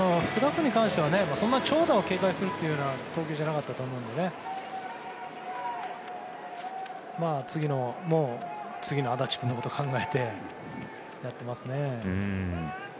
君に対しては、そんなに長打を警戒する投球じゃなかったと思うのでもう次の安達君のことを考えてやってますね。